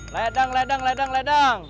ledang ledang ledang ledang